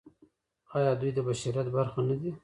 آیا دوی د بشریت برخه نه دي؟